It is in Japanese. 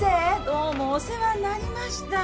どうもお世話になりました。